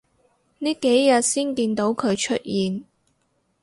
呢幾日先見到佢出現